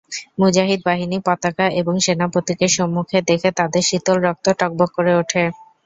মুজাহিদ বাহিনী পতাকা এবং সেনাপতিকে সম্মুখে দেখে তাদের শীতল রক্ত টগবগ করে উঠে।